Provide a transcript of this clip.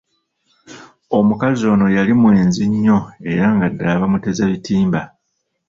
Omukazi ono yali mwenzi nnyo era nga ddala bamuteza bitimba.